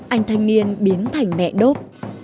anh thanh niên biến thành mẹ đốt